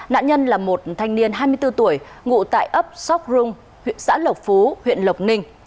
nạn nhân là một thanh niên hai mươi bốn tuổi ngụ tại ấp sóc rung xã lộc phú huyện lộc ninh